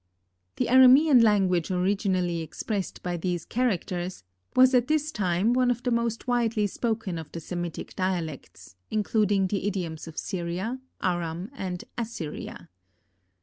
The Aramean language originally expressed by these characters, was at this time one of the most widely spoken of the Semitic dialects, including the idioms of Syria, Aram and Assyria.